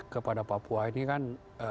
kepada papua ini kan